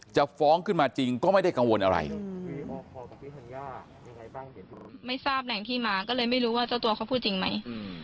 ฟ้องขึ้นมาจริงก็ไม่ได้กังวลอะไรไม่ทราบแหล่งที่มาก็เลยไม่รู้ว่าเจ้าตัวเขาพูดจริงไหม